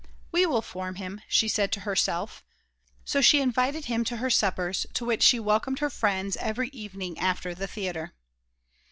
"We will form him," she said to herself. So she invited him to her suppers to which she welcomed her friends every evening after the theatre.